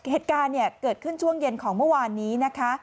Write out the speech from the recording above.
เหตุการณ์เกิดขึ้นช่วงเย็นของเมื่อวานนี้นะคะ